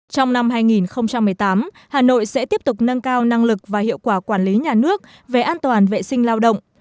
trong năm hai nghìn một mươi tám hà nội sẽ tiếp tục nâng cao năng lực và hiệu quả quản lý nhà nước về an toàn vệ sinh lao động